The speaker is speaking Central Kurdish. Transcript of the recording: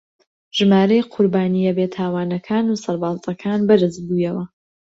ژمارەی قوربانییە بێتاوانەکان و سەربازەکان بەرز بوویەوە